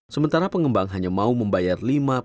sementara pengembang hanya mau membayar